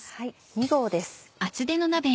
２合です。